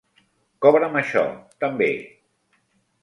Cobra'm això, també.